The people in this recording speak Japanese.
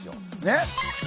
ねっ？